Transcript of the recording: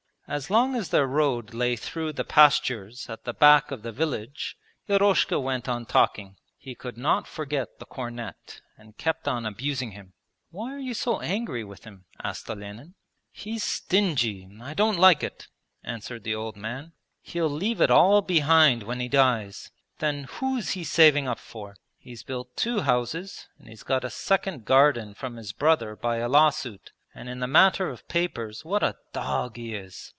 As long as their road lay through the pastures at the back of the village Eroshka went on talking. He could not forget the cornet and kept on abusing him. 'Why are you so angry with him?' asked Olenin. 'He's stingy. I don't like it,' answered the old man. 'He'll leave it all behind when he dies! Then who's he saving up for? He's built two houses, and he's got a second garden from his brother by a law suit. And in the matter of papers what a dog he is!